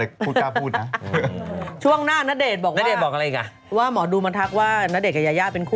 วีรภาพมั้งต้องต้องลดน้ำหนักซักนิดหนึ่งนะ